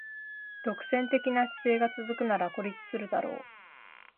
独占的な姿勢が続くなら孤立するだろう